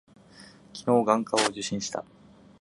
昨日、眼科を受診した。